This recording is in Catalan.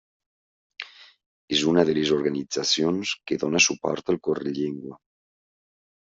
És una de les organitzacions que dóna suport al Correllengua.